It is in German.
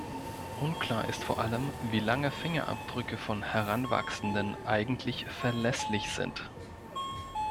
Unklar ist vor allem, wie lange Fingerabdrücke von Heranwachsenden eigentlich verlässlich sind.